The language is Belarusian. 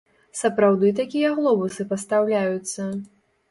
Сапраўды такія глобусы пастаўляюцца?